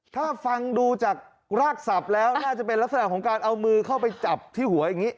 ถ้าฟังดูจากรากสับแล้วน่าจะเป็นลักษณะของการเอามือเข้าไปจับที่หัวอย่างนี้